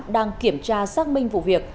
đang kiểm tra xác minh vụ việc